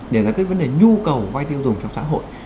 để giải quyết vấn đề nhu cầu vay tiêu dùng trong xã hội